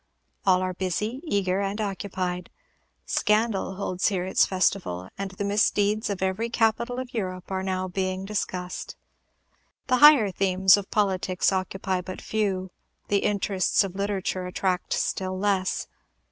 All are busy, eager, and occupied. Scandal holds here its festival, and the misdeeds of every capital of Europe are now being discussed. The higher themes of politics occupy but few; the interests of literature attract still less.